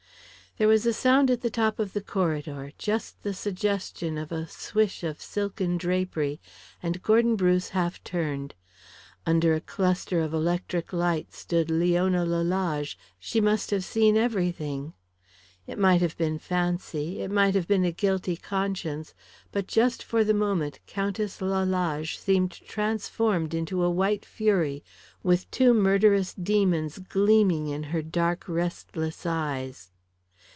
There was a sound at the top of the corridor, just the suggestion of a swish of silken drapery, and Gordon Bruce half turned. Under a cluster of electric lights stood Leona Lalage; she must have seen everything. It might have been fancy, it might have been a guilty conscience, but just for the moment Countess Lalage seemed transformed into a white fury with two murderous demons gleaming in her dark restless eyes.